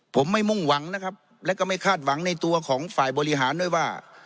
ผมไม่มุ่งหวังนะครับและก็ไม่คาดหวังในตัวของฝ่ายบริหารด้วยว่า